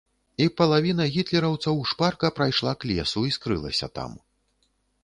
І палавіна гітлераўцаў шпарка прайшла к лесу і скрылася там.